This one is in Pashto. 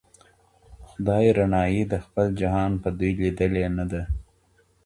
خدای رڼایي د خپل جهان په دوی لیدلې نه ده